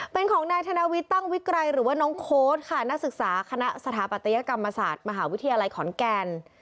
เป็นของนายธนวิทย์ตั้งวิกรัยหรือว่าน้องโค้ดค่ะนักศึกษาคณะสถาปัตยกรรมศาสตร์มหาวิทยาลัยขอนแก่น